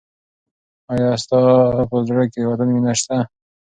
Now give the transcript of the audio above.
آیا ستا په زړه کې د وطن مینه شته؟